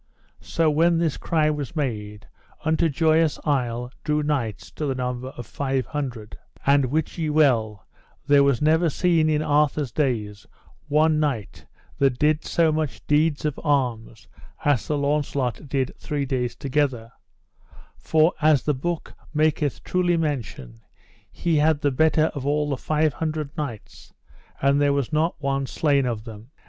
So when this cry was made, unto Joyous Isle drew knights to the number of five hundred; and wit ye well there was never seen in Arthur's days one knight that did so much deeds of arms as Sir Launcelot did three days together; for as the book maketh truly mention, he had the better of all the five hundred knights, and there was not one slain of them.